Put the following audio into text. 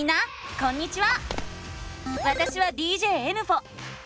こんにちは！